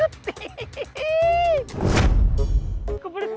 memangku pilih bohas